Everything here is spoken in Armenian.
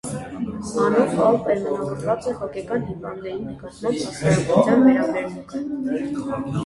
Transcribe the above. Անով ալ պայմանաւորուած է հոգեկան հիւանդներու նկատմամբ հասարակութեան վերաբերմունքը։